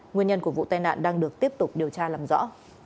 nguyên nhân của vụ tai nạn đang được tiếp tục điều tra làm rõ